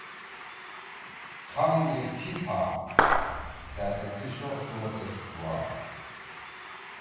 کھام گے پھیتھا۔ سیاست سی شوق تُھوا تیس کوا۔